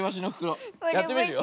やってみるよ。